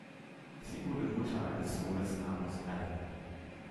Sie wurde Mutter eines Sohnes namens Allan.